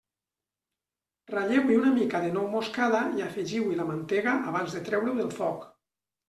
Ratlleu-hi una mica de nou moscada i afegiu-hi la mantega abans de treure-ho del foc.